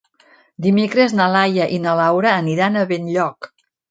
Dimecres na Laia i na Laura aniran a Benlloc.